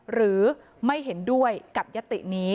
หรือไม่เห็นด้วยกับยตินี้